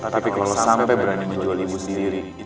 tapi kalau sampai berani menjual ibu sendiri